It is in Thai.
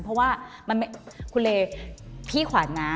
เพราะว่าคุณเลพี่ขวัญนะ